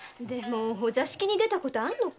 お座敷に出たことあるの？